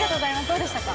どうでしたか？